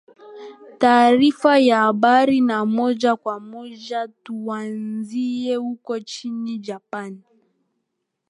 taarifa ya habari na moja kwa moja tuanzie huko nchini japan